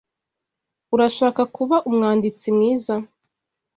Urashaka kuba umwanditsi mwiza?